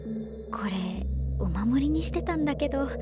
これお守りにしてたんだけど。